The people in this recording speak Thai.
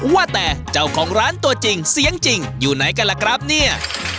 ว่าแต่เจ้าของร้านตัวจริงเสียงจริงอยู่ไหนกันล่ะครับเนี่ย